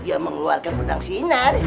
dia mengeluarkan pedang sinar